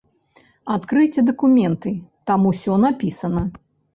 Адкрыйце дакументы, там усё напісана.